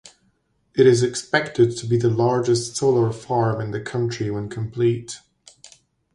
It is expected to be the largest solar farm in the country when complete.